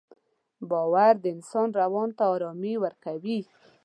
باور د انسان روان ته ارامي ورکوي.